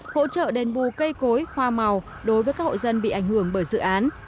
hỗ trợ đền bù cây cối hoa màu đối với các hộ dân bị ảnh hưởng bởi dự án